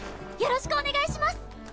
よろしくお願いします